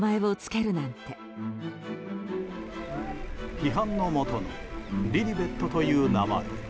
批判のもとにリリベットという名前。